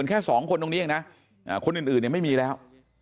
กันแค่๒คนตรงนี้นะคนอื่นไม่มีแล้ว